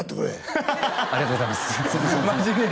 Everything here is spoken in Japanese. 真面目にありがとうございます